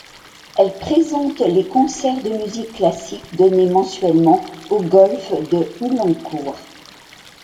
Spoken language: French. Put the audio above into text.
Elle présente les concerts de musique classique donnés mensuellement au Golf de Hulencourt.